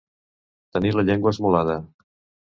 Tenir la llengua esmolada.